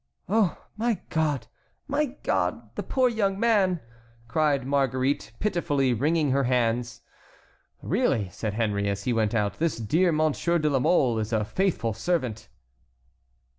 "Oh, my God! my God! the poor young man!" cried Marguerite, pitifully, wringing her hands. "Really," said Henry, as he went out, "this dear Monsieur de la Mole is a faithful servant."